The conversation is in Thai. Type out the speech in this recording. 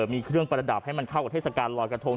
มีเครื่องประดับให้มันเข้ากับเทศกาลลอยกระทง